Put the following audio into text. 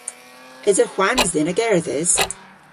Esa hwans dhyn a gerdhes?